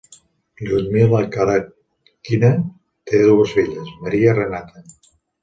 Lyudmila Karachkina té dues filles, Maria i Renata.